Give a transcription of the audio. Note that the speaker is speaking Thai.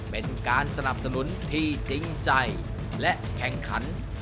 เป็นการสนับสนุนที่จริงใจและแข่งขัน